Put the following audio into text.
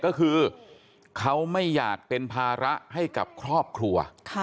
ก็คือเขาไม่อยากเป็นภาระให้กับครอบครัว